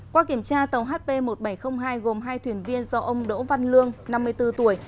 qua kiểm tra tàu hp một nghìn bảy trăm linh hai gồm hai thuyền viên do ông đỗ văn lương năm mươi bốn tuổi